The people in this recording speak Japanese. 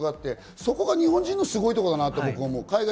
そこが日本人のすごいところだと思います。